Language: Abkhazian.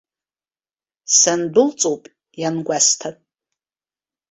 Сандәылҵоуп иангәасҭа.